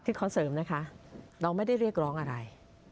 ขอเสริมนะคะน้องไม่ได้เรียกร้องอะไร